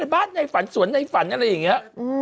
บ้านในฝันสวนในฝันอะไรอย่างนี้